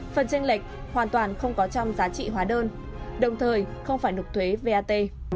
phần tranh lệch hoàn toàn không có trong giá trị hóa đơn đồng thời không phải nộp thuế vat